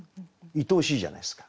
いとおしいじゃないですか。